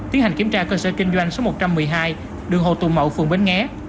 tiến hành kiểm tra cơ sở kinh doanh số một trăm một mươi hai đường hồ tùng mậu phường bến nghé